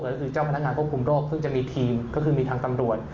ก็คือเจ้าพนักงานควบคุมโรคซึ่งจะมีทีมก็คือมีทางตำรวจ